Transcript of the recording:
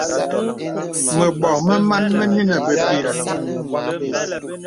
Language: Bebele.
Mə̀bɔ̀ mə màn mə nə́ nə̀ bèpìghə̀.